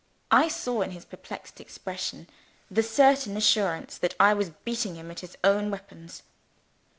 I saw in his perplexed expression, the certain assurance that I was beating him at his own weapons.